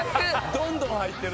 どんどん入ってる。